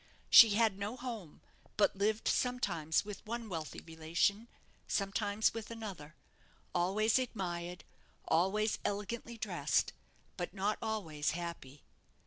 She had no home; but lived sometimes with one wealthy relation, sometimes with another always admired, always elegantly dressed; but not always happy.